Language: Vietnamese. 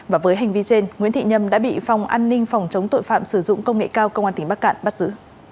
và với hành vi trên nguyễn thị nhâm đã bị phòng an ninh phòng chống tội phạm sử dụng công nghệ cao công an tỉnh bắc cạn bắt giữ